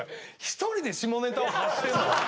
一人で下ネタを発してんの？